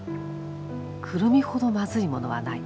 「クルミほどまずいものはない。